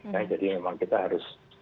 nah jadi memang kita harus